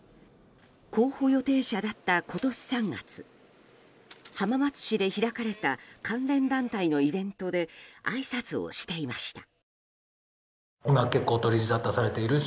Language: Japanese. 候補予定者だった今年３月浜松市で開かれた関連団体のイベントであいさつをしていました。